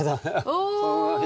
お！